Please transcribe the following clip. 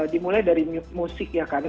dimulai dari musik ya kan